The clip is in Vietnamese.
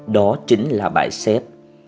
đó chính là bài xếp